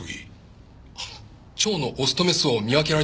蝶のオスとメスを見分けられたんです。